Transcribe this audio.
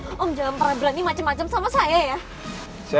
om om jangan pernah belani macem macem sama saya ya